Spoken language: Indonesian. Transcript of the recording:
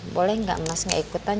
boleh enggak mas gak ikutan